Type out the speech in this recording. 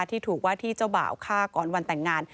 ที่ถูกว่าที่เจ้าบ่าวฆ่าก่อนวันแต่งงาน